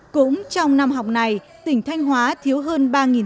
cũng trong năm học này tỉnh thanh hóa thiếu hơn ba giáo viên